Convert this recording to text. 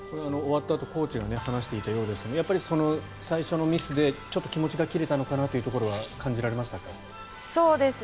終わったあとコーチが話していたようですが最初のミスでちょっと気持ちが切れたなというところは感じられましたか。